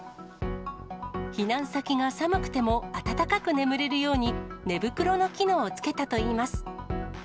避難先が寒くても暖かく眠れるように、寝袋の機能をつけたといいます。